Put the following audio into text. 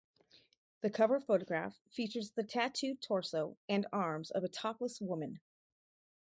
The cover photograph features the tattooed torso and arms of a topless woman.